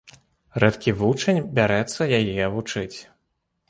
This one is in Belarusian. Рэдкі вучань бярэцца яе вучыць.